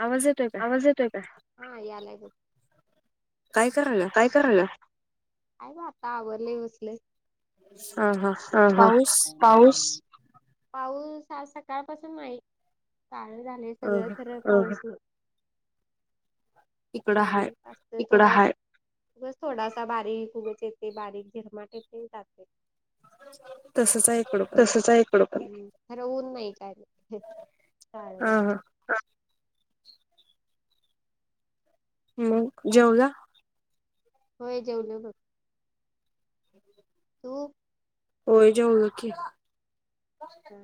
आवाज ये आवाज येतोय काय? हं यायलाय बघ. काय करायला? आहे की आता आवरले, बसले. हा हा हा, पाऊस पाऊस? पाऊस आज सकाळपासून नाही. काळ झालय सगळं खरं प इकडं हाय हिकडं हाय. ऊग थोडासा बारीक ऊगच येतय, बारीक झिरमाट येतय जातय. तसच आहे इकडं पण तसच आहे इकड पण आता ऊन नाही काय नाही तेच कार्ड हा घाल हा मग जेवला? होय जेवल बघ [inaudible] तू! होय जोवलो की, हां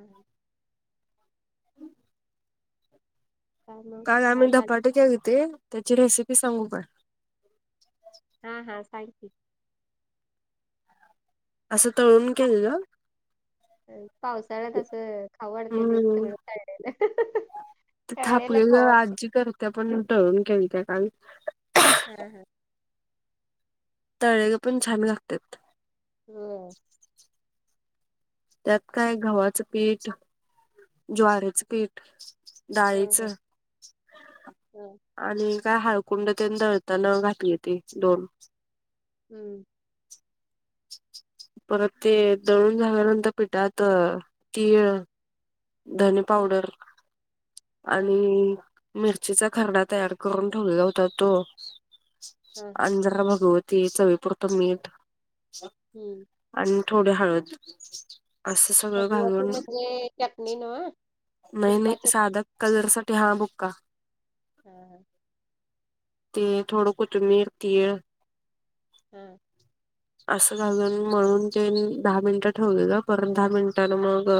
काल आम्ही धपाटे केले होते त्याची रेसिपी सांगू काय? हा हा सांगकी. असं तळून केलंल. पावसाळ्यातं खावू वाट तळले हम्म सगळ, ते थापलेलं आजी करत्या पण मी तळून केलत्या काल हा हा तळेगं पण छान लागल्यात. होय त्यात काय गव्हाचं पीठ, ज्वाराचं पीठ, डाळीचं, आणि काय हाळकुंड ते दळताना घातली येते. दोन हम्म परत ते दळून झाल्यानंतर पिठात तीळ, धनी पावडर, आणि मिरचीचा खरडा तयार करून ठेवला होता. तो अंजर भगवती चवीपुरतं मीठ हम्म आणि थोड हळद असं सगळं भगवती घालून म्हणजे चटणी ना? नाही नाही साध कलरसाठी हहा बुक्का हा हा ते थोडं कोथिंमीर, तीळ हम असं घालून म्हणून ते दहा मिनिटं ठेवल पर दहा मिनिटने मग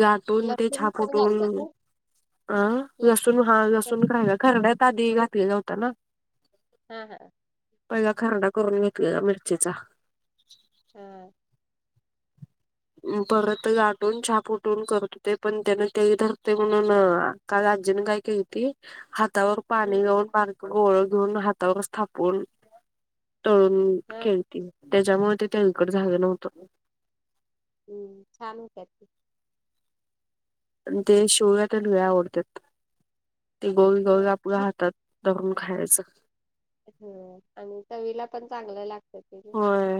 लाटून ते छाप छापून अ लसूण हा लसून एक राहीला खरडयात आधी घातली होता ना हा हा पहिला खरडा करून घेतलेला मिरचीचा हम परत गाठून छाप उठून करत हो ते पण त्यान तेही धरते म्हणून ताई आजीने काय कलती हातावर पाणी गाऊन बारक गोळ घेऊन हातावर थापून तळून खेल त्याच्यामुळे ते त्या इकड झालं नव्हतं. हम्म छान होतात ते ते शिवला तर लई आवडतात. ते गोवी गो हातात दरून खायचं. ह आणि चवीला पण चांगलं लागतं. ते ग होय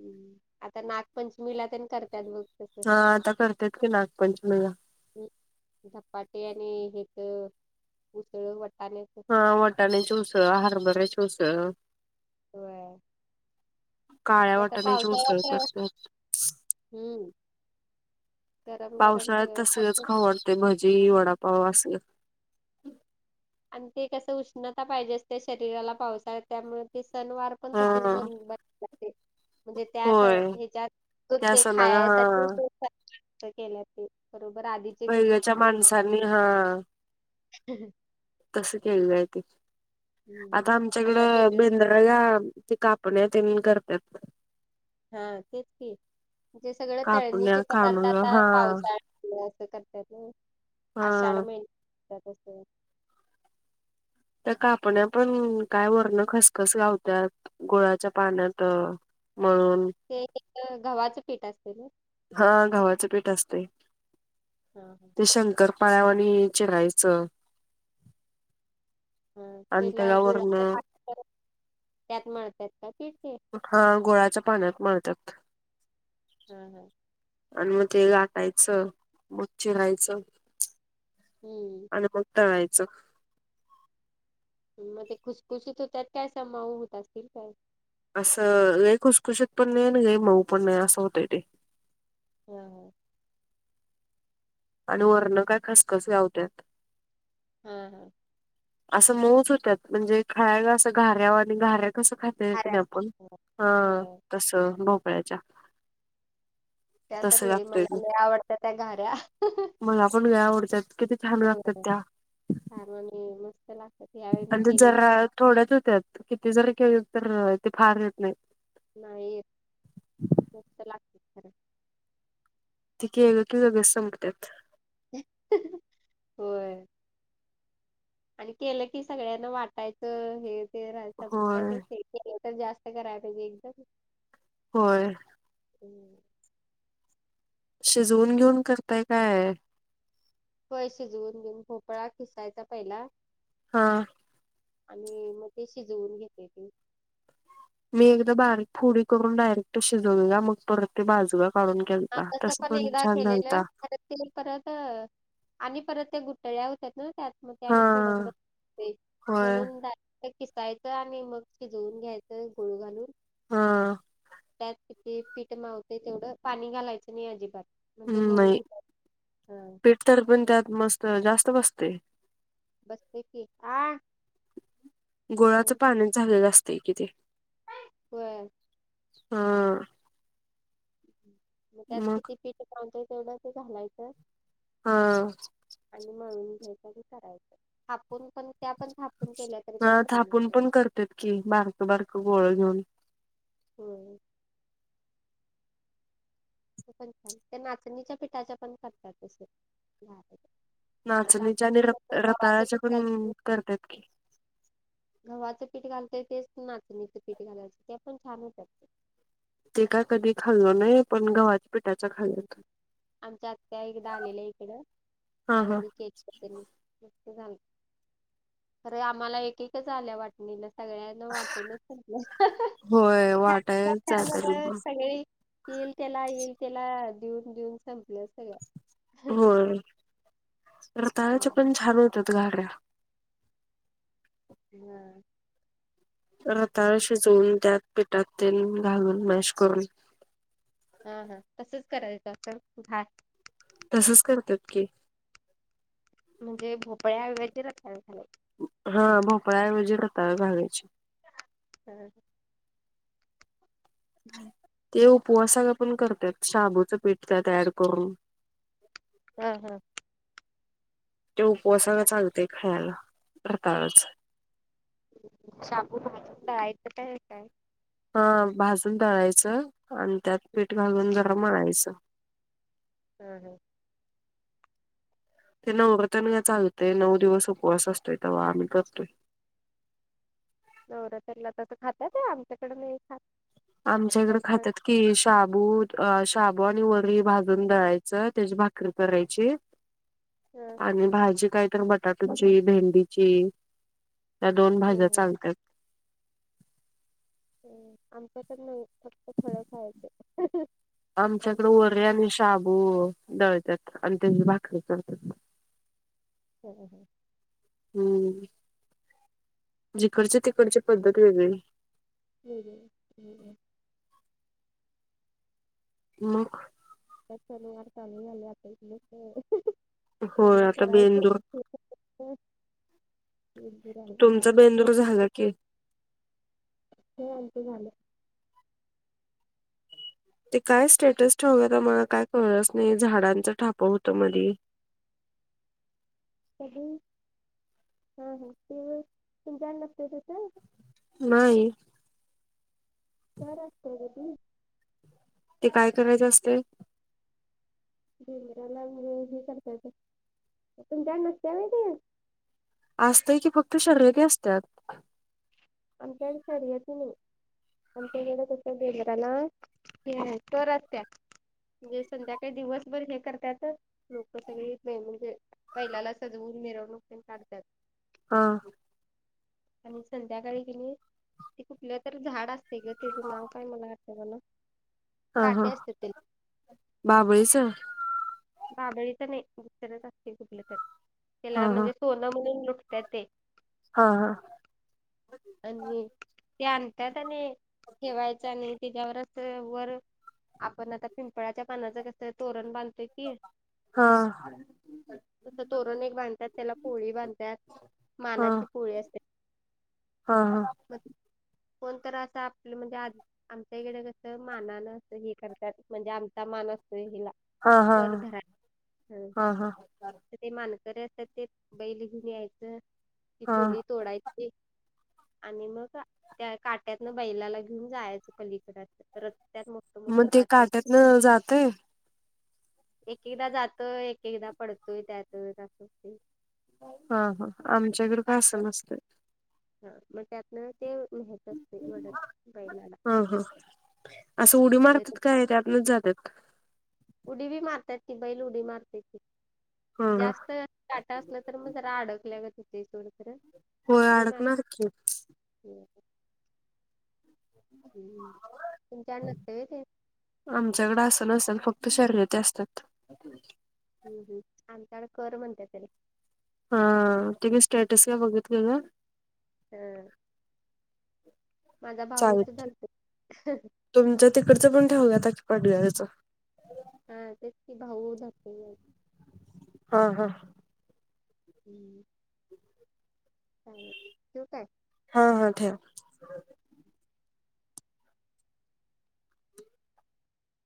हम्म आता नागपंचमीला ते करतात बघ हा आता करतेत की नागपंचमीला धपाटे आणि हेच उसळ वटाण्याच हा वाटाण्याची उसळ हरभऱ्याची उसळ होय काळ्या वटाण्याची उसळ करतात. हम्म पावसाळ्यात तसलच खाऊ वाटतंय भजी वडापाव असलच. आणि ते कसं उष्णता पाहिजे असते शरीराला पावसाळ त्यामुळे ते सणावर पण तसेच हा बन बन म्हणजे त्या होय ह्याच्यात त्या ते सणाला हा खायासाठी तो सण केल्या ते बरोबर आधी पहिलेच्या माणसांनी हा [unintelligible] तस केलेलं आहे ते आता आमच्याकड बेंद्रा ते कापण्या ते करतात हा तेच की जे सगळं तळणीचे कापण्या पदार्थ कानुया आता हा पावसाळा असं करत्यात ना आषाढ हा महिन्यात करत्यात असं त्या कापण्या पण काय वरण खसखस लावत्यात, गुळाच्या पाण्यात मग ते एक गव्हाचं पीठ असते ना? हा गव्हाच पीठ असतंय. हा हा ते शंकरपाळ्या वाणी चिरायचं अन त्याला वरण त्यात मळतात का पीठ ते? हा गुळाच्या पाण्यात मळतात. हम्म हम्म आणि मग ते लाटायचं मग् चिरायचं हम्म आणि मग तळायचं. मग ते खुसखुशीत होतात का अस माऊ होत असतील काय? असं लई खुसखुशीत पण नाही आणि लई मऊ पण नाही असं होतय ते [unintelligible] आणि वरण काय खसखस लावत्यात. हा हा असं मऊच होत्यात म्हणजे खायला असं घाऱ्या वाणी आणि घाऱ्या कसं खा [unintelligible] हा तस भोपाळ्याच्या तस लागतय मग, मला पण लय आवडत्यात किती छान लागत्यात त्या खारवणी मस्त लागत म्हणज जरा थोड्यात होत्यात किती जरी केले तर ते फार येत नाही नाही येत, मस्त लागते खरं ती केले की लगेच संपत्यात होय आणि केलं की सगळ्यांना वाटायचं हे ते होय संपण्याची ते. एक तर जास्त करायला पाहिजे एकदम, होय. हूं... शिजवून घेऊन करताय काय, व्हय शिजवून घेऊन, भोपळा खिसायचा पहिला. हा आणि मग ते शिजवून घेत्याती. मी एकदा बारीक फोडी करून डायरेक्ट शिजवलेला मग परत ते बाजूला काढून, हां केलता तच तसं पण एकदा छान झालता केलेलं [unintelligible] ते परत आणि परत त्या गुठळ्या होत्या ना? त्यात मग ते हा आणि फोडत बसतय होय म्हणून [unintelligible] ते खिसायचं आणि मग शिजवून घ्यायचं गुळ घालून, हां... त्यात किती पीठ मावते तेवढं पाणी घालायचं नाही अजिबात. हम् बई पीठ तर पण त्यात मस्त जास्त बसतंय. गुळाचं पाणीच झालेलं असतयं कि ते, होय हं.... मग त्यात किती पीठ मावतय तेवढं ते घालायचं. हा आणि मळून घ्यायच आणि करायचं थापून पण त्या पण था ह थापून पण करतात कि, बारकं- बारकं गोळं घेऊन. हूं... ते पण छान त्या नाचणीच्या पिठाच्या पण करत्यात तसं. आता आपण नाचणीच्या आणि ते र कसं गव्हाचं रताळाच्या पीठ पण घालतोय, करतात की गव्हाचं पीठ घालतोय तेच नाचणीचं पीठ घालायचं त्या पण छान होत्यात. ते काय कधी खाल्लो नाही पण गव्हाचं [unintelligible] आमच्या आत्या एकदा आलेल्या हिकडं हा हा त्यावेळी केलेलं त्यनी. मस्त झालं खरे आम्हांला एक -एकच आल्या वाटणीला सगळ्या ना वाटून संपल्या, होय [unintelligible] वाटाय जात त्यामुळं सगळी येईल त्याला येईल त्याला देऊन-देऊन संपल्या सगळ्या. होय रताळाच्या पण छान होतात घाऱ्या. हं... रताळं शिजवून, त्यात पिठात तेल घालून मॅश करून, हा हा तसंच करायचं असल घार तसच करत्यात की. म्हणजे भोपळ्या व्यतिरिक खय झालय. हा भोपळया ऐवजी रताळं घालायची. हा.... हाय... ते उपवासाला पण करत्यात शाबूचं पीठ त्यात ऍड करून. हं.. हं. ते उपवासाला चालतंय खायाला रताळाच. शाबू भाजून दळायचं काय? काय.? हा भाजून तळायचं आणि त्यात पीठ घालून जरा मळायचं. हां हां. ते नवरतन चालतेय, नऊ दिवस उपवास असतोय तवा आम्ही करतोय. नवरातला तसं खातात? आमच्याकडे नाही खात. आमच्या ईकड खातात. कि शाबू -शाबू आणि वरी भाजून दळायचं, त्याची भाकरी करायची आणि भाजी काय तर बटाट्याची, भेंडीची त्या दोन भाज्या चालतात. हम्म, आमच्याकडे नाही फक्त फळ खायचे. आमच्याकडे वरी आणि शाबू दळतात आणि त्याची भाकरी कर. हो हो हो [unintelligible] हम्म, जिकडचे तिकडची पद्धत वेगळी. हो [unintelligible] मग त्यात शनिवार चालू झाले आता, होय सगळं आता करायच. बेंदूर हो गरला ग [unintelligible] कि [unintelligible] हे आमचं झाल. ते काय स्टेटस ठेवलंता मला काय कळच नाही. झाडांचं ठाप होतं मधी. कधी, हा ह ते तुमच्याकडे नसतंय तसं. नाही. सर [unintelligible] असतोय ग ती. ते काय करायचं असते? ज [unintelligible] मराला हे करतायचं तुमच्याक नसत्या माहिती असतंय की, फक्त शर्यती असतात. आमच्याकडे शर्यती नाही. आमच्याकड कस गेजराला [unintelligible] तरच्या म्हणजे संध्याकाळी दिवसभर हे करत्यात, लोक सगळे नाही म्हणजे बैलाला सजवून मिरवणू पण काढतात. हा. आणि संध्याकाळी की नाही, ते कुठलं तर झाड असते ग त्याचं नाव काय मला आठवण. ह हा, बाबळीच? बाबळीच नाही दुसरच असते कुठलं तरी, त्याला हा म्हणजे सोनं म्हणून लुटत ते. आ, हा आणि, ते आणतात आणि ठेवायचं आणि त्याच्यावरच वर आपण आता पिंपळाच्या पानाचं कस तोरण बांधतोय की. हा. तस तोरण एक बांधतात त्याला पोळी बांधतात हा मानाची पोळी असते. हा हा,, म कोणत असं आपलं म्हणजे आ आमच्या इकडे कस मानानं अस हे करतात, म्हणजे आमचा मान असतो हिला. हा हा हा हा. ते मानकरीे असतात ते बैल घेऊन यायचं, ती हा पोळी तोडायची. आणि मग त्या काट्यातन बैलाला घेऊन जा मग ते काट्यात न जात? एक एकदा जातोय. एक एकदा पडतोय. त्यात जातच ते. हा हा, आमच्याकडे काय अस नसतय. हा मग त्यातन ते माहीत असते. वडत बैलाला. अस उडी मारतात काय त्यातनच जातात. उडी बी मारतात ती बैल उडी मारत्याती. हा हा जास्त काटा असला तर मग जरा अडकल्या गत होते सोड खर. होय अडकणार की. [unintelligible] आमच्याकड अस नसेल फक्त शर्यती असत्यात. [inaudible] हम्म हम्म, आमच्याकडे कर म्हणत्या त्याला. हा, तुम्ही स्टेटस काय बघितलेल. ह माझा भाऊच चालतंय धरतो. तुमच्या तिकडच पण ठेवल्यात पाडल्या याच. हा तेच की भाऊ धपी हा हा हम्म चालेल ठेवु काय. हा हा ठेव.